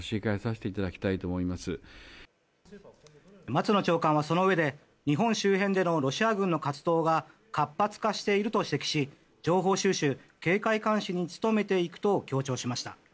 松野長官は、そのうえで日本周辺でのロシア軍の活動が活発化していると指摘し情報収集・警戒監視に努めていくと強調しました。